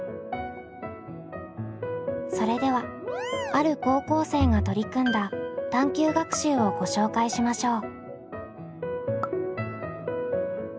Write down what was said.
それではある高校生が取り組んだ探究学習をご紹介しましょう。